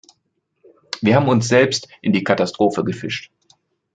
Wir haben uns selbst in die Katastrophe gefischt.